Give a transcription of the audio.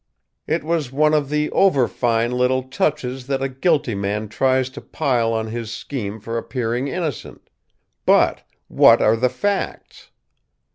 "It was one of the over fine little touches that a guilty man tries to pile on his scheme for appearing innocent. But what are the facts?